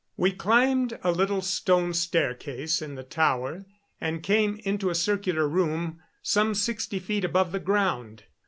We climbed a little stone staircase in the tower and came into a circular room some sixty feet above the ground.